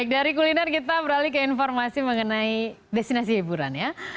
dari kuliner kita beralih ke informasi mengenai destinasi hiburan ya